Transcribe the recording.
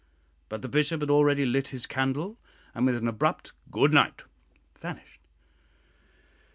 But the Bishop had already lit his candle, and with an abrupt "good night," vanished.